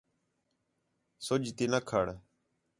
سُڄ تی نہ کھڑ